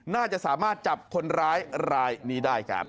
น่าจะสามารถจับคนร้ายรายนี้ได้ครับ